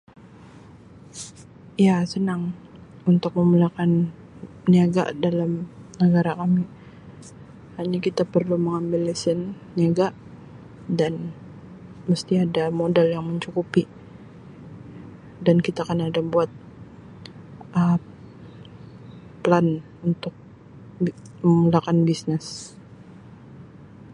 Iya senang untuk memulakan niaga dalam negara kami hanya kita perlu mengambil lesen niaga dan mesti ada modal yang mencukupi dan kita kena ada buat Um plan untuk [unintelligible] memulakan bisnes.